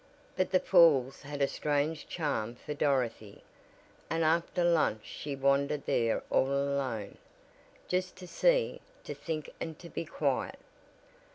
But the falls had a strange charm for Dorothy, and after lunch she wandered there all alone, just to see, to think and to be quiet.